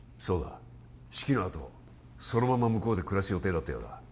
そうだ式のあとそのまま向こうで暮らす予定だったようだ